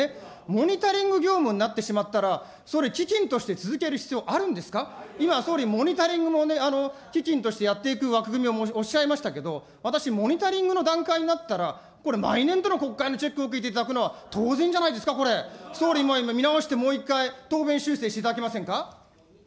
モニタリング業務になってしまったら、総理、基金として続ける必要あるんですか、今、総理、モニタリングもね、基金としてやっていく枠組みをおっしゃいましたけど、私、モニタリングの段階になったら、これ毎年度の国会のチェックを受けていただくのは当然じゃないですか、これ、総理、見直して、もう一回、答弁修正していただけませんか。